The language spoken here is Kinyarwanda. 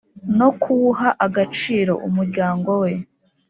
no kuwuha agaciro umuryango we